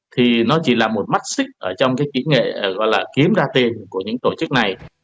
thì nó chỉ là một mắt xích ở trong cái kỹ nghệ gọi là kiếm ra tiền của những tổ chức này